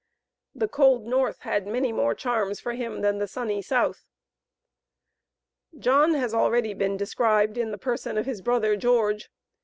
The cold North had many more charms for him than the sunny South. John has been already described in the person of his brother George.